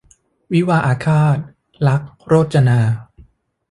วิวาห์อาฆาต - ลักษณ์ โรจนา